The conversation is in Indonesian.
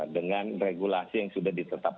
dengan regulasi yang sudah ditetapkan